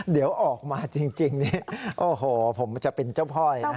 เดี๋ยวออกมาจริงนี่โอ้โหผมจะเป็นเจ้าพ่อเลยนะ